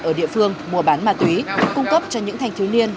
ở địa phương mua bán ma túy cung cấp cho những thanh thiếu niên